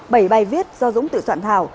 bảy bài viết do dũng tự soạn thảo